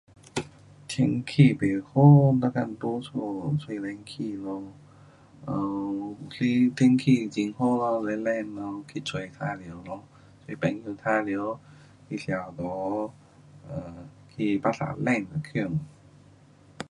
天气不好，咱自在家吹冷气咯。啊，有时天气很好咯，冷冷咯去出玩耍咯，去朋友玩耍，去吃茶，呃，去芭莎转一圈。